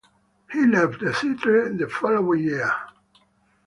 He left the theatre the following year.